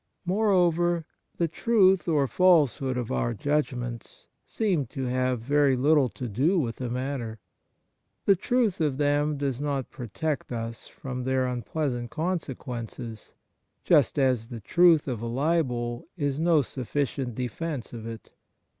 Moreover, the truth or false hood of our judgments seem to have very little to do with the matter. The truth of them does not protect us from their un pleasant consequences ; just as the truth of a libel is no sufficient defence of it.